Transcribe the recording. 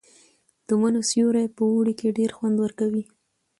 د ونو سیوری په اوړي کې ډېر خوند ورکوي.